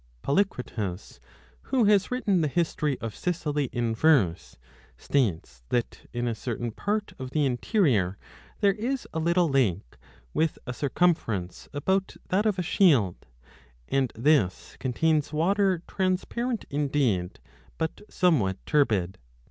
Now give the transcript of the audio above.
Polycritus, who has written the history of Sicily in verse, 112 states that in a certain part of the interior there is a little lake, with a circumference about that of a shield, and this 35 contains water transparent indeed, but somewhat turbid.